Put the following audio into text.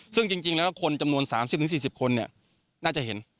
ซึ่งจริงแล้วคนจำนวน๓๐๔๐คนน่าจะเห็น